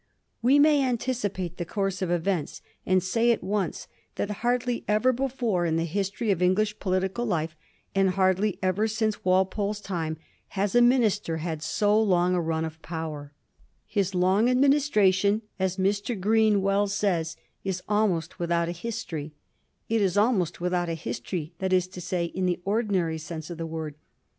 We may anticipate the course of events, and say at once that hardly ever before in the history of English political life, and hardly ever since Walpole's time, has a minister had so long a run of power. His long administration, as Mr. Green well says, is Digiti zed by Google rJli5 iJ<*^ 1723 WALPOLE'S ADMINISTRATION. 295 almost without a history. It is almost without a history, that is to say, in the ordinary sense of the word.